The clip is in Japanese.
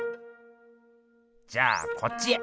じゃあこっちへ。